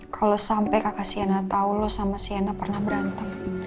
kalau sampai kakak shena tau lu sama shena pernah berantem